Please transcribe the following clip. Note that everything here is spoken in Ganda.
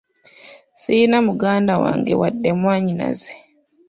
Sirina muganda wange wadde mwannyinaze.